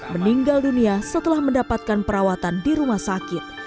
meninggal dunia setelah mendapatkan perawatan di rumah sakit